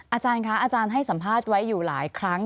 อาจารย์คะอาจารย์ให้สัมภาษณ์ไว้อยู่หลายครั้ง